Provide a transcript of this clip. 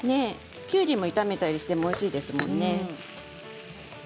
きゅうりも炒めたりしてもおいしいですものね。